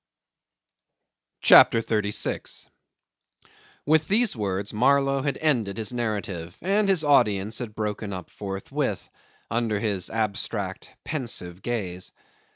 ... CHAPTER 36 With these words Marlow had ended his narrative, and his audience had broken up forthwith, under his abstract, pensive gaze.